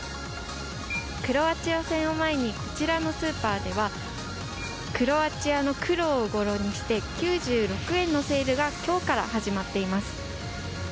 クロアチア戦を前にこちらのスーパーではクロアチアのクロを語呂にして９６円のセールが今日から始まっています。